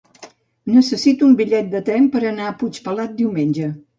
Necessito un bitllet de tren per anar a Puigpelat diumenge.